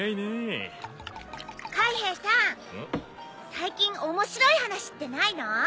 最近面白い話ってないの？